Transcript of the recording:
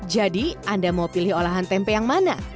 jadi anda mau pilih olahan tempe yang mana